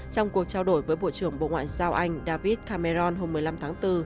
trong cuộc trao đổi với bộ trưởng bộ ngoại giao anh david cameron hôm một mươi năm tháng bốn